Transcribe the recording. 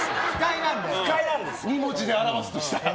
２文字で表すとしたらね。